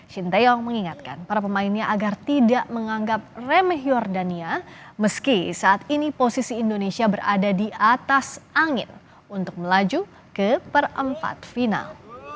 shin taeyong mengingatkan para pemainnya agar tidak menganggap remeh jordania meski saat ini posisi indonesia berada di atas angin untuk melaju ke perempat final